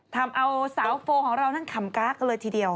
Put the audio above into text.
ทำเอาสาวโฟของเราทั้งค่ำกราคเลยทีเดียว